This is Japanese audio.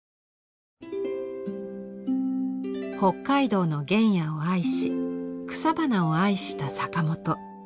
北海道の原野を愛し草花を愛した坂本。